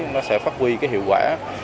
nó sẽ phát huy hiệu quả